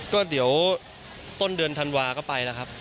ก็เดี๋ยวต้นเดือนธันวาก็ไปแล้วครับ